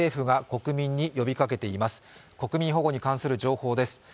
国民保護に関する情報です。